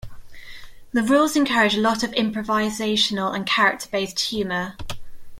The rules encourage a lot of improvisational and character-based humor.